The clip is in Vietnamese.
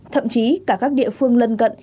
thậm chí cả các địa phương lân cận